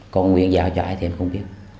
còn nguyên giao cho ai thì em không biết